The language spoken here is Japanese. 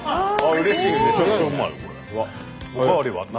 うれしい！